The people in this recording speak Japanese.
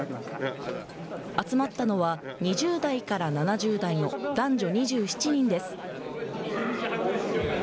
集まったのは２０代から７０代の男女２７人です。